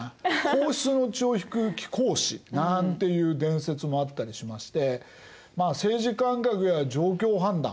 皇室の血を引く貴公子なんていう伝説もあったりしまして政治感覚や状況判断